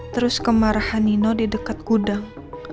terus kemarahan nino di dekat gudang